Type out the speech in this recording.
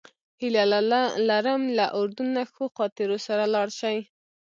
هیله لرم له اردن نه ښو خاطرو سره لاړ شئ.